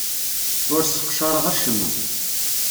Ur sseqcareɣ acemma.